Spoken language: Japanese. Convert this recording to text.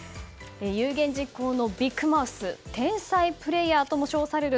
有言実行のビッグマウス天才プレーヤーとも称される